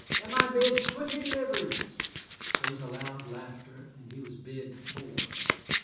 Am I bid twenty livres?" There was a loud laughter, and he was bid four.